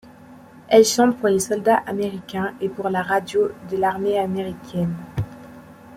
Elle chante pour les soldats américains et pour la radio de l'armée américaine.